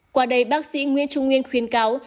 quả đầy bác sĩ nguyễn trung nguyên khuyên cáo